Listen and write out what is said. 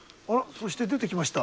そして出てきました。